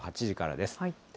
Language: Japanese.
８時からです。